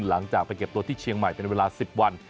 หลังจากไปเก็บตัวที่เชียงใหม่เป็นเวลา๑๐วัน